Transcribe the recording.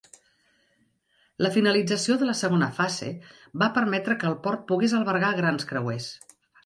La finalització de la segona fase va permetre que el port pogués albergar grans creuers.